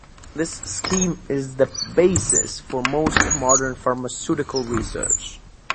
This scheme is the basis for most modern pharmaceutical research.